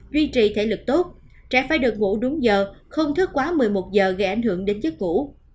duy trì thể lực tốt trẻ phải được ngủ đúng giờ không thức quá một mươi một giờ gây ảnh hưởng đến chức cũ